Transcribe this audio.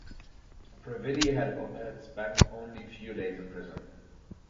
Previti had spent only few days in prison.